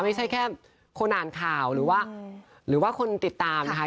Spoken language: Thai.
ไม่ใช่แค่คนอ่านข่าวหรือว่าหรือว่าคนติดตามนะคะ